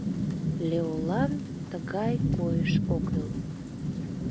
Леолан тыгай койыш ок кӱл.